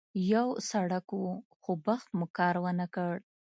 یو سړک و، خو بخت مو کار ونه کړ.